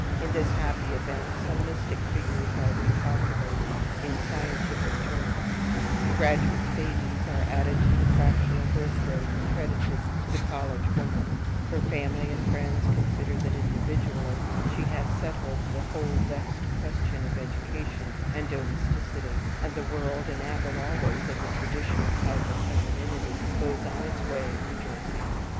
In this happy event, some mystic figures are recalculated in scientific journals, the graduate's babies are added to the fractional birth rate accredited to the college woman, her family and friends consider that, individually, she has settled the whole vexed question of education and domesticity, and the world, enamoured always of the traditional type of femininity, goes on its way rejoicing.